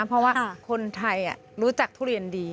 เพราะว่าคนไทยรู้จักทุเรียนดี